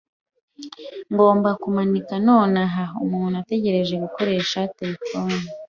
Ngomba kumanika nonaha. Umuntu ategereje gukoresha terefone.